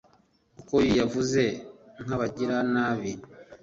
kuko yavuze nk'abagiranabi